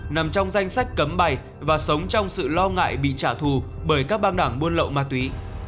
nằm trong danh sách cấm bày và sống trong sự lo ngại bị trả thù bởi các băng đảng buôn lậu ma túy